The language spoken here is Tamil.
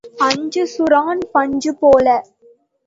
அஞ்சூரான் பஞ்சு போல.